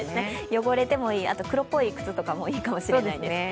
汚れてもいい、あと黒っぽい靴とかもいいかもしれないです。